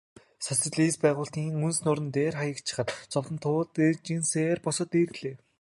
Социалист байгуулалтын үнс нурман дээр хаягдчихаад зовлон туулж дэнжгэнэсээр босоод ирлээ.